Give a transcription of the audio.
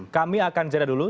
kami akan jeda dulu